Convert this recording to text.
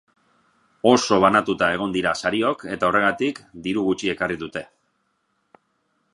Oso banatuta egon dira sariok eta, horregatik, diru gutxi ekarri dute.